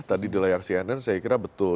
tadi di layar cnn saya kira betul